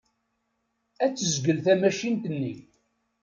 Ad tezgel tamacint-nni.